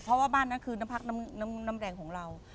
เพราะว่าบ้านนั้นคือน้ำพักน้ำแรงของเรา